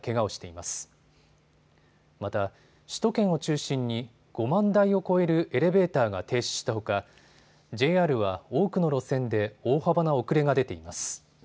また、首都圏を中心に５万台を超えるエレベーターが停止したほかＪＲは多くの路線で大幅な遅れが出ています。